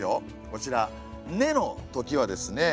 こちら「子のとき」はですね